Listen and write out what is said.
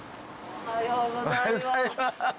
おはようございます。